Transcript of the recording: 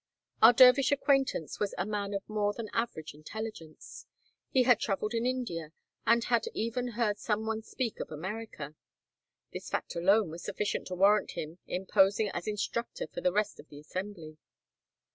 Our dervish acquaintance was a man of more than average intelligence. He had traveled in India, and had even heard some one speak of America. This fact alone was sufficient to warrant him in posing as instructor for the rest of the assembly.